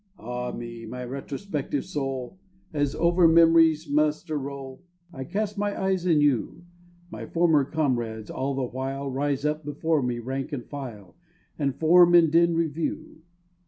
Ah me! my retrospective soul! As over memory's muster roll I cast my eyes anew, My former comrades all the while Rise up before me, rank and file, And form in dim review.